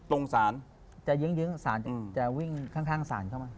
ตรงศาลจะยึ้งศาลจะวิ่งข้างศาลเข้ามา